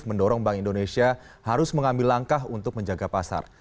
mendorong bank indonesia harus mengambil langkah untuk menjaga pasar